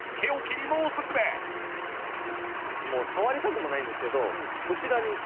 もう触りたくもないんですけどこちらに。